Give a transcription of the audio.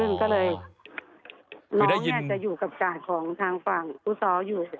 น้องเนี่ยจะอยู่กับจ่ายของทางฝั่งผู้ซ้ออยู่